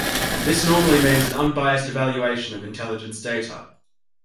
This normally means an "unbiased evaluation" of intelligence data.